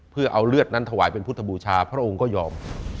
เพื่อเอาเลือดนั้นถวายเป็นพุทธบูชาพระองค์ก็ยอม